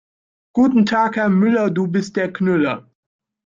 Guten Tag Herr Müller, du bist der Knüller.